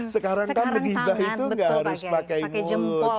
sekarang kan beribah itu gak harus pakai mulut